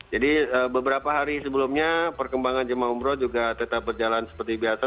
jadi beberapa hari sebelumnya perkembangan jemaah umroh juga tetap berjalan seperti biasa